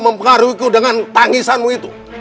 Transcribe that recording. mempengaruhiku dengan tangisanmu itu